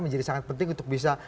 menjadi sangat penting untuk bisa